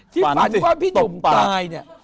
ฝันว่าพี่หนุ่มตายเนี่ย